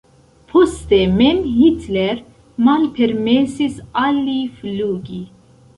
Poste mem Hitler malpermesis al li flugi.